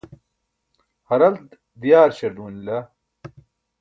haralat diyaarśar duunila